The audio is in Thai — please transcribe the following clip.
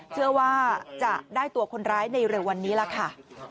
เชื่อว่าจะได้ตัวคนร้ายในเร็ววันนี้ล่ะค่ะ